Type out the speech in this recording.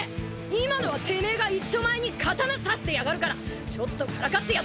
今のはてめえがいっちょまえに刀差してやがるからちょっとからかってやっただけだ！